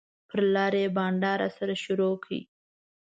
پر لاره یې بنډار راسره شروع کړ.